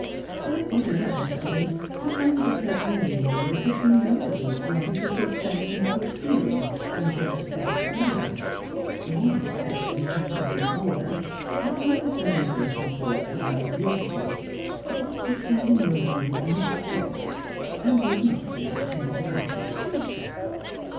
By whatever accident, the friends of her earlier years had been notable rather for good sense and good feeling than for aesthetic fervour; the one exception, her cousin Olga, had rather turned her from thoughts about the beautiful, for Olga seemed emotional in excess, and was not without taint of affectation.